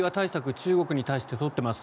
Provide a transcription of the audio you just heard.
中国に対して取っています。